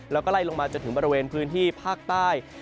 แล้วก็ไล่ลงมาจนถึงบริเวณพื้นที่ภาคใต้